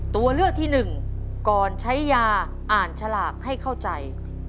ตัวเลือกที่หนึ่งก่อนใช้ยาอ่านฉลากให้เข้าใจ